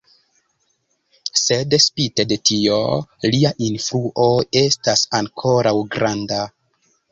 Sed spite de tio, lia influo estas ankoraŭ granda.